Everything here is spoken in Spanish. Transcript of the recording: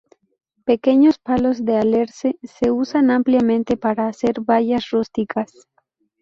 Pequeños palos de alerce se usan ampliamente para hacer vallas rústicas.